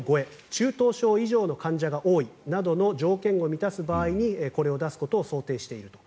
中等症以上の患者が多いなどの条件を満たす場合にこれを出すことを想定していると。